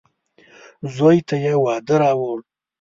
زوی ته يې واده راووړ.